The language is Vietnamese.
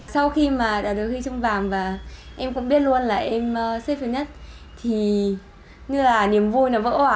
sau khi mà đạt được huy chương vàng và em cũng biết luôn là em xếp thứ nhất thì như là niềm vui nó vỡ hỏa